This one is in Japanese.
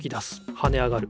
はね上がる。